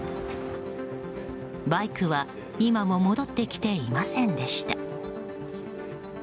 バイクは今も戻ってきていませんでした。